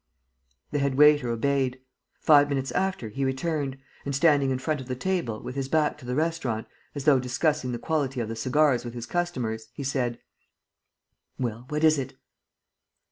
The head waiter obeyed. Five minutes after, he returned and, standing in front of the table, with his back to the restaurant, as though discussing the quality of the cigars with his customers, he said: "Well? What is it?"